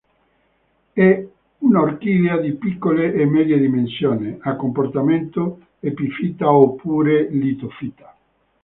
È un'orchidea di piccole o medie dimensioni, a comportamento epifita oppure litofita.